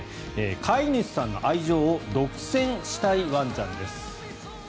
飼い主さんの愛情を独占したいワンちゃんです。